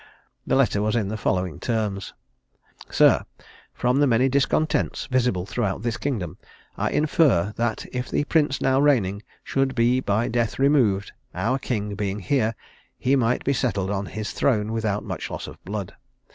The letter was in the following terms: "Sir, From the many discontents visible throughout this kingdom, I infer that if the prince now reigning could be by death removed, our king being here, he might be settled on his throne without much loss of blood.